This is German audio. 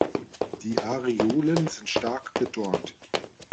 Die Areolen sind stark bedornt.